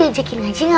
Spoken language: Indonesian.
iya besok besok aja ya